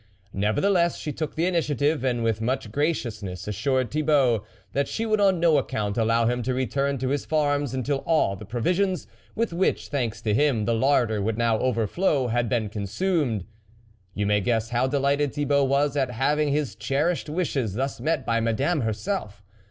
Nevertheless she took the initiative, and with much graciousness assured Thibault that she would on no account allow him to return to his farms until all the provisions, with which, thanks to him, the larder would now overflow, had been consumed. You may guess how delighted Thibault was at THE WOLF LEADED having his cherished wishes thus met by Madame herself.